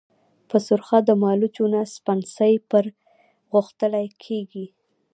په سرخه د مالوچو نه سپڼسي پرغښتلي كېږي۔